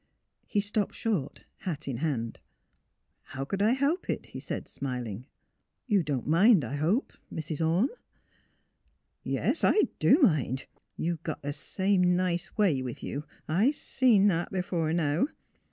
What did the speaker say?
He stopped short, hat in hand. ^' How could I help it? " he said, smiling. *' You don't mind, I hope — Mrs. Orne." '' Yes; I do mind. You got th' same nice way with you. I see that b'fore now.